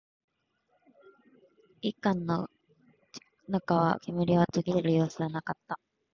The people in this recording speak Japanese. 一斗缶の中の煙は途切れる様子はなかった